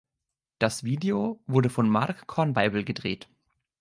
Das Video wurde von Mark Kornweibel gedreht.